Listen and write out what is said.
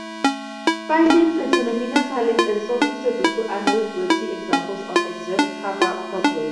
Finding Pentomino tilings and solving Sudoku are noteworthy examples of exact cover problems.